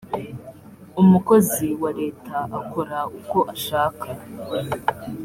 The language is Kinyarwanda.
umukozi wa leta akora uko ashaka